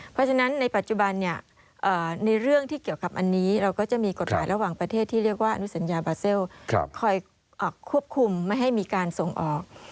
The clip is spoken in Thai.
เพราะฉะนั้นในปัจจุบันในเรื่องที่เกี่ยวกับอันนี้เราก็จะมีกฎหมายระหว่างประเทศที่เรียกว่าอนุสัญญาบาเซลคอยควบคุมไม่ให้มีการส่งออก